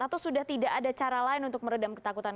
atau sudah tidak ada cara lain untuk meredam ketakutan